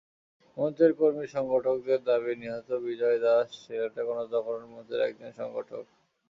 মঞ্চের কর্মী-সংগঠকদের দাবি, নিহত বিজয় দাশ সিলেটে গণজাগরণ মঞ্চের একজন সংগঠক।